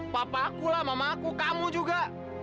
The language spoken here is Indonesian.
papa aku lah mama aku kamu juga